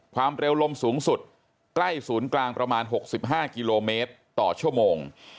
ความเร็วลมสูงสุดใกล้ศูนย์กลางประมาณ๖๕กิโลเมตรต่อชั่วโมง